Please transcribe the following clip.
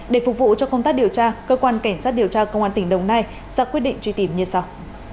để phục vụ cho công tác điều tra cơ quan cảnh sát điều tra công an tỉnh đồng nai ra quyết định truy tìm như sau